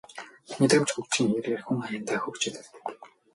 Мэдрэмж хөгжихийн хэрээр хүн аяндаа хөгжөөд ирдэг